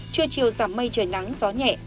trưa chiều giảm mây trời nắng gió nhẹ